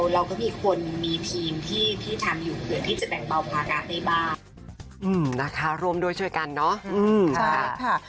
เราก็มีคนมีทีมที่ที่ทำอยู่เผื่อที่จะแบ่งเบาพาการได้บ้างอืมนะคะรวมโดยช่วยกันเนอะอืมใช่ค่ะ